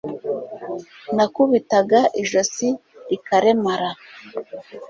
Nakubitaga ijosi rikaremara